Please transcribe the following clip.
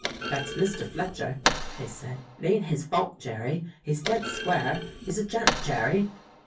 "Dat's Mr. Fletcher," they said. "It ain't his fault, Jerry. He's dead square; he's a gent, Jerry."